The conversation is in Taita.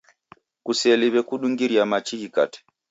Kuseliwe kudungiria machi ghikate